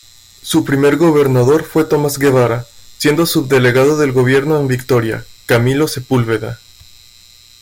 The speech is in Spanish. Su primer gobernador fue Tomás Guevara, siendo Subdelegado del Gobierno en Victoria, Camilo Sepúlveda.